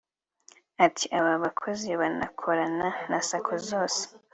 Ati “Aba bakozi banakorana na Sacco zose